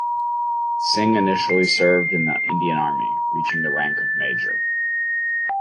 Singh initially served in the Indian Army, reaching the rank of Major.